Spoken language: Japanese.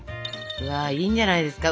いいんじゃないですか。